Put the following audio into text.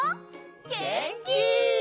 げんき！